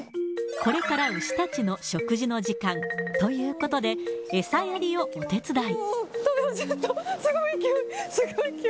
これから牛たちの食事の時間。ということで、餌やりをお手伝い。